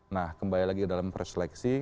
nah kembali lagi ke dalam perseleksi